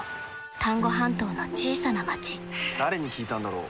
丹後半島の小さな町誰に聞いたんだろう。